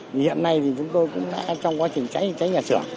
hiện nay thì chúng tôi cũng đã trong quá trình cháy nhà sửa